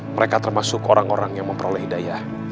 mereka termasuk orang orang yang memperoleh hidayah